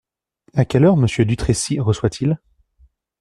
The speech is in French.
À quelle heure Monsieur Dutrécy reçoit-il ?